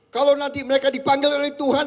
kalau nanti mereka dipanggil oleh tuhan